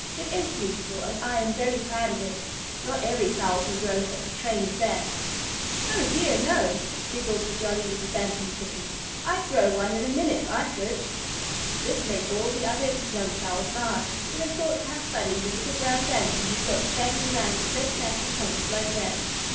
"It is beautiful and I am very proud of it. Not every fowl can grow such a train as that." [Illustration: THE PEACOCK WAS STANDING ON THE FENCE.] "Oh, dear, no!" giggled a jolly little Bantam Chicken. "I'd grow one in a minute if I could." This made all the other young fowls laugh, for they thought how funny the little brown Bantam would look dragging around a great mass of feathers like that.